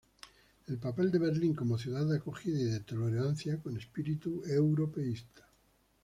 Al papel de Berlín como ciudad de acogida y de tolerancia, con espíritu europeísta.